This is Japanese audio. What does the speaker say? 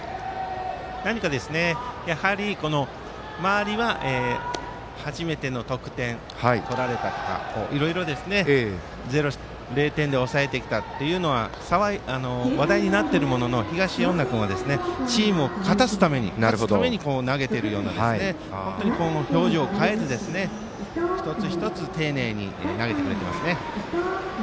何かやはり周りは初めての得点取られたとかいろいろ０点で抑えてきたというのは話題になっているものの東恩納君はチームを勝たすために勝つために投げてるような表情を変えず一つ一つ丁寧に投げてくれていますね。